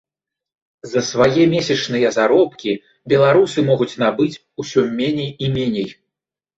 За свае месячныя заробкі беларусы могуць набыць усе меней і меней.